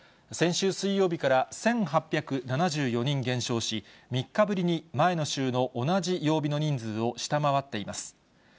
先週水曜日から１８７４人減少し、３日ぶりに前の週の同じ曜日の人数を下回っています。